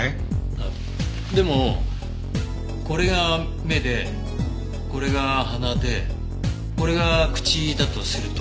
あっでもこれが目でこれが鼻でこれが口だとすると。